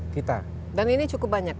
kita dan ini cukup banyak